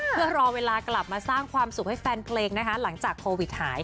เพื่อรอเวลากลับมาสร้างความสุขให้แฟนเพลงนะคะหลังจากโควิดหาย